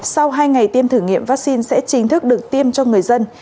sau hai ngày tiêm thử nghiệm vaccine sẽ chính thức được tiêm cho người dân